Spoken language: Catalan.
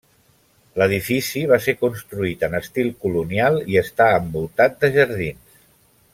L'edifici va ser construït en estil colonial i està envoltat de jardins.